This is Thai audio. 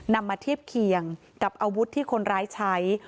นำมาเทียบเคียงกับอาวุธที่คนร้ายใช้